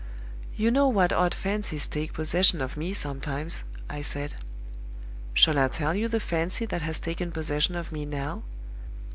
"'You know what odd fancies take possession of me sometimes,' I said. 'Shall I tell you the fancy that has taken possession of me now?